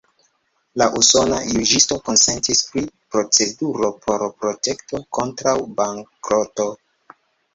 La usona juĝisto konsentis pri proceduro por protekto kontraŭ bankroto.